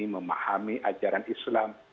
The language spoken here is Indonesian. memahami ajaran islam